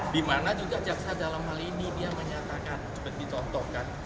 dimana juga jaksa dalam hal ini dia menyatakan seperti dicontohkan